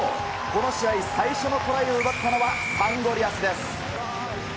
この試合、最初のトライを奪ったのはサンゴリアスです。